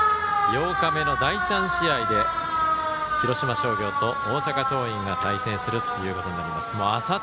８日目の第３試合で広島商業と大阪桐蔭が対戦するということになります。